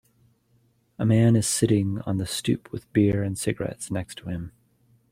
A man is sitting on the stoop with beer and cigarettes next to him.